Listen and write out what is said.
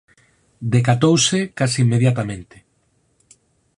Decatouse case inmediatamente.